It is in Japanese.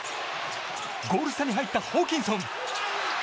ゴール下に入ったホーキンソン。